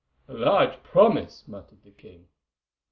"A large promise," muttered the king.